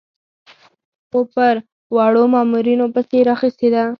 خو پر وړو مامورینو پسې یې راخیستې ده.